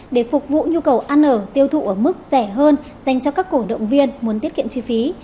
để phục vụ nhu cầu ăn ở tiêu thụ ở mức rẻ hơn dành cho các cổ động viên muốn tiết kiệm chi phí